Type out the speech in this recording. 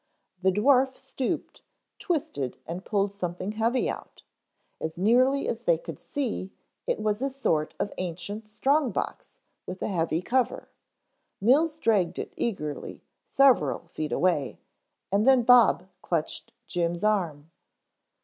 The dwarf stooped, twisted and pulled something heavy out. As nearly as they could see it was a sort of ancient strong box with a heavy cover. Mills dragged it eagerly several feet away, and then Bob clutched Jim's arm.